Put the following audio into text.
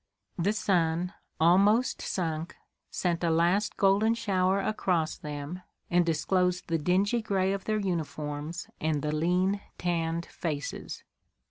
The sun, almost sunk, sent a last golden shower across them and disclosed the dingy gray of their uniforms and the lean, tanned faces.